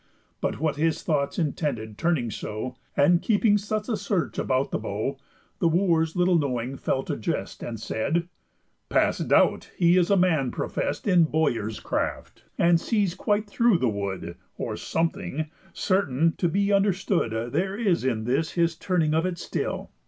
But what his thoughts intended turning so, And keeping such a search about the bow, The Wooers little knowing fell to jest, And said: "Past doubt he is a man profest In bowyers' craft, and sees quite through the wood; Or something, certain, to be understood There is in this his turning of it still.